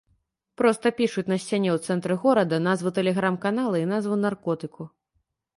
Проста пішуць на сцяне ў цэнтры горада назву тэлеграм-канала і назву наркотыку.